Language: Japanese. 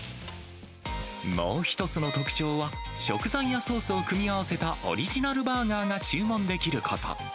もう一つの特徴は、食材やソースを組み合わせたオリジナルバーガーが注文できること。